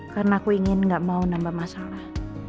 karena aku ingin gak mau nambah masalah